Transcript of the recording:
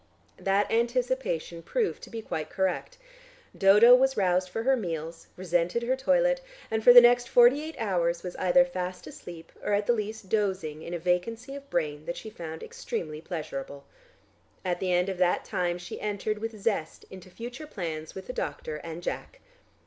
That anticipation proved to be quite correct. Dodo was roused for her meals, resented her toilet, and for the next forty eight hours was either fast asleep or at the least dozing in a vacancy of brain that she found extremely pleasurable. At the end of that time she entered with zest into future plans with the doctor and Jack.